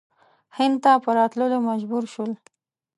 هند ته په راتللو مجبور شول.